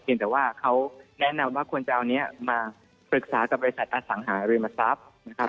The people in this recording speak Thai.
แต่ว่าเขาแนะนำว่าควรจะเอานี้มาปรึกษากับบริษัทอสังหาริมทรัพย์นะครับ